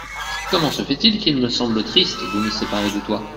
Comment se fait-il qu’il me semble triste de me séparer de toi ?